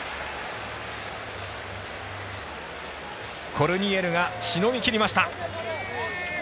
コルニエルがしのぎきりました。